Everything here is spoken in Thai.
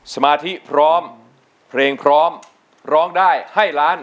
สมาธิพร้อมเพลงพร้อมร้องได้ให้ล้าน